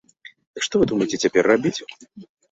Дык што вы думаеце цяпер рабіць?